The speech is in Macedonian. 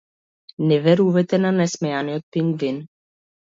Не верувајте на насмеаниот пингвин.